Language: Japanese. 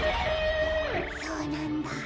そうなんだ。